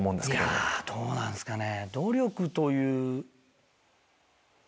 いやどうなんすかね。